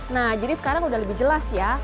nah jadi sekarang udah lebih jelas ya